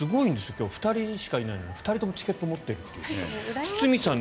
今日、２人しかいないのに２人ともチケットを持っているっていう。